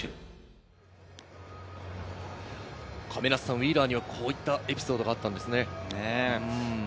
ウィーラーにはこういったエピソードがあったんですね。